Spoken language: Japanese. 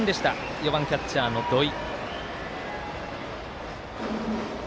４番、キャッチャーの土井。